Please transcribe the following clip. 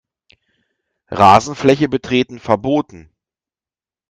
Rasenfläche betreten verboten.